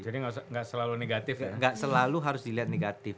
jadi gak selalu harus dilihat negatif